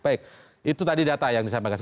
baik itu tadi data yang disampaikan